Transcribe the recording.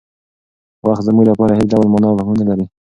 وخت زموږ لپاره هېڅ ډول مانا او مفهوم نه لري.